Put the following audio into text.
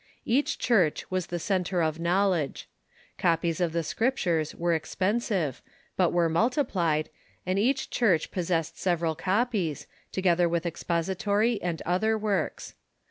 Each Church was the centre of knowledge. Copies of the Scriptures were expensive, but were multiplied, and each Church possessed several copies, together with expository and other works.